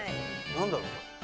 何だろう